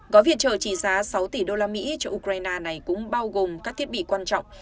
gói viện trợ trị giá sáu tỷ usd cho ukraine này cũng bao gồm các thiết bị quan trọng